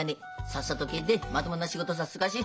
さっさと帰ってまともな仕事さ就がし。